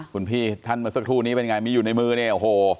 คุณพี่ท่านเมื่อสักครู่นี้เป็นไงมีอยู่ในมือเนี่ยโอ้โห